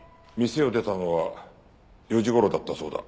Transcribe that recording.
店を出たのは４時頃だったそうだ。